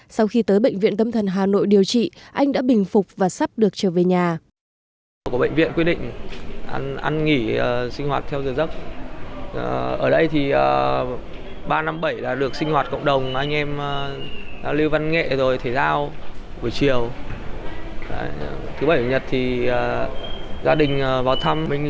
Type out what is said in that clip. sau khi tới bệnh viện tâm thần hà nội điều trị anh đã bình phục và sắp được trở về nhà